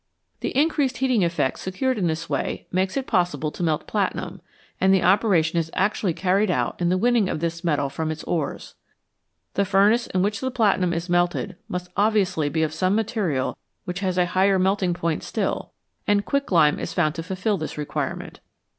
The increased heating effect secured in this way makes it possible to melt platinum, and the operation is actually 196 HIGH TEMPERATURES carried out in the winning of this metal from its ores. The furnace in which the platinum is melted must obviously be of some material which has a higher melt ing point still, and quicklime is found to fulfil this requirement.